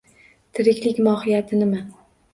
Tiriklik mohiyati nima?